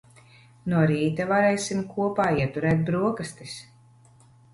No rīta varēsim kopā ieturēt broksastis.